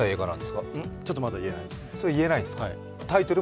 ちょっとまだ言えないです。